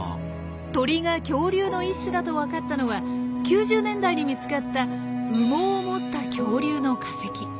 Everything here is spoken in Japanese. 鳥が恐竜の一種だと分かったのは９０年代に見つかった羽毛を持った恐竜の化石。